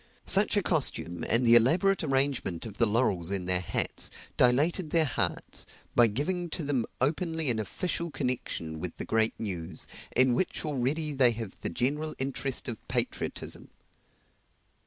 Such a costume, and the elaborate arrangement of the laurels in their hats, dilated their hearts, by giving to them openly an official connection with the great news, in which already they have the general interest of patriotism.